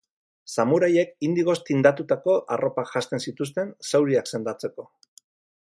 Samuraiek indigoz tindatutako arropak jazten zituzten zauriak sendatzeko.